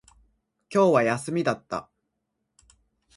今日は休みだった